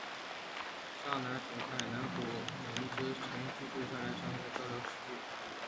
萨南学派南浦文之曾留下记述撇贯前来交流的诗句。